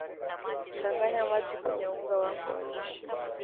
Changanya maji kwenye unga wako wa lishe